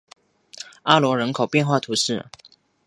阿罗人口变化图示